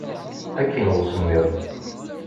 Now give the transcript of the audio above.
Ad k-ineɣ usemmiḍ.